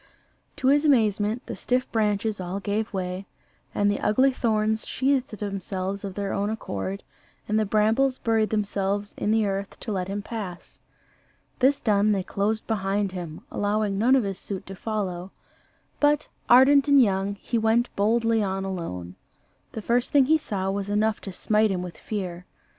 To his amazement the stiff branches all gave way, and the ugly thorns sheathed themselves of their own accord, and the brambles buried themselves in the earth to let him pass. This done, they closed behind him, allowing none of his suite to follow: but, ardent and young, he went boldly on alone. The first thing he saw was enough to smite him with fear.